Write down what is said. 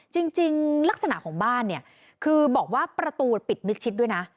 จริงลักษณะของบ้านเนี่ยคือบอกว่าประตูปิดมิดชิดด้วยนะ